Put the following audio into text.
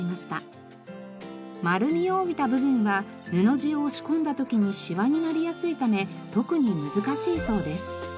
丸みを帯びた部分は布地を押し込んだ時にしわになりやすいため特に難しいそうです。